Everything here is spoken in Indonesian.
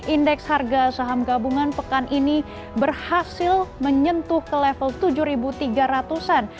indeks harga saham gabungan pekan ini berhasil menyentuh ke level tujuh tiga ratus an